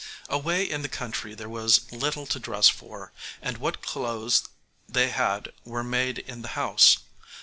Away in the country there was little to dress for, and what clothes they had were made in the house.